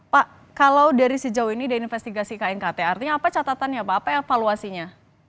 pak kalau dari sejauh ini dari investigasi knkt artinya apa catatannya pak apa evaluasinya